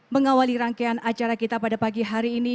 mengawali rangkaian acara kita pada pagi hari ini